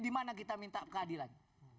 di mana kita minta keadilan